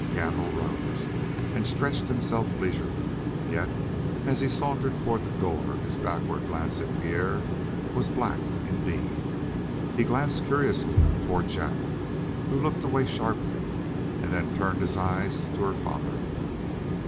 Gandil rose and stretched himself leisurely, yet as he sauntered toward the door his backward glance at Pierre was black indeed. He glanced curiously toward Jack who looked away sharply and then turned his eyes to her father.